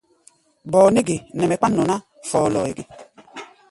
Bɔɔ nɛ́ ge nɛ mɛ kpán nɔ ná fɔ́lɔ́ɔ́-fɔ́lɔ́ɔ́ʼɛ ge?